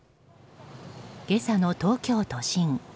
今朝の東京都心。